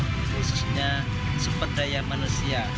khususnya sepedaya manusia